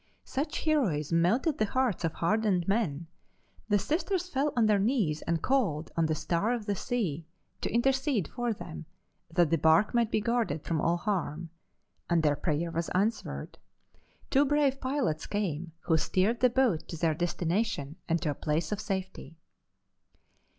Such heroism melted the hearts of hardened men. The Sisters fell on their knees and called on the "Star of the Sea" to intercede for them, that the bark might be guarded from all harm. And their prayer was answered. Two brave pilots came, who steered the boat to their destination and to a place of safety.